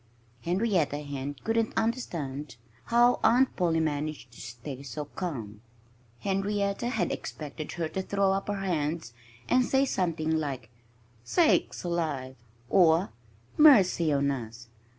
Henrietta Hen couldn't understand how Aunt Polly managed to stay so calm. Henrietta had expected her to throw up her hands and say something like "Sakes alive!" or "Mercy on us!"